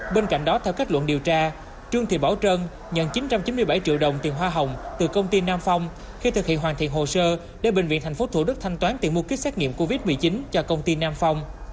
bên cạnh đó theo kết luận điều tra trương thị bảo trân nhận chín trăm chín mươi bảy triệu đồng tiền hoa hồng từ công ty nam phong khi thực hiện hoàn thiện hồ sơ để bệnh viện tp thủ đức thanh toán tiền mua kích xét nghiệm covid một mươi chín cho công ty nam phong